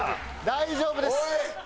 大丈夫です。